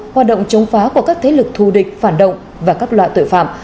hoạt động chống phá của các thế lực thù địch phản động và các loại tội phạm